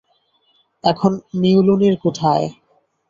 এখন, মিওলনির কোথায়?